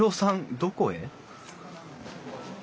どこへ？